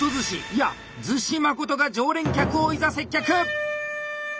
いや厨子誠が常連客をいざ接客！